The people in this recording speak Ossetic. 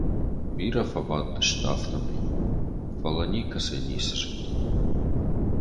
Бирӕ фӕбадтысты афтӕмӕй, фӕлӕ никӕцӕй ницы зынди.